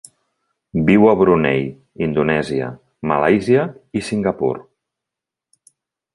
Viu a Brunei, Indonèsia, Malàisia i Singapur.